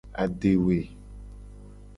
Adewe.